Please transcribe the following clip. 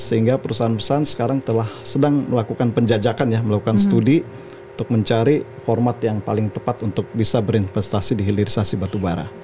sehingga perusahaan perusahaan sekarang telah sedang melakukan penjajakan ya melakukan studi untuk mencari format yang paling tepat untuk bisa berinvestasi di hilirisasi batubara